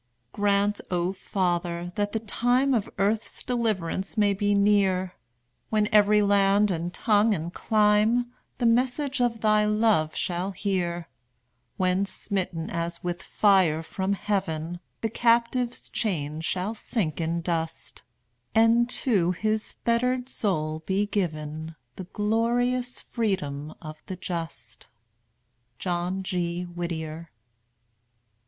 Grant, O Father, that the time Of earth's deliverance may be near, When every land and tongue and clime The message of Thy love shall hear; When, smitten as with fire from heaven, The captive's chain shall sink in dust, And to his fettered soul be given The glorious freedom of the just. JOHN G. WHITTIER.